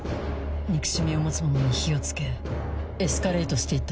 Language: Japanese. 憎しみを持つ者に火を付けエスカレートして行った。